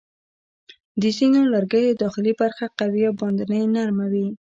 د ځینو لرګیو داخلي برخه قوي او باندنۍ نرمه وي.